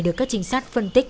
được các trinh sát phân tích